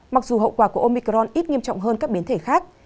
mặc dù hậu quả của omicron ít nghiêm trọng hơn các biến thể khác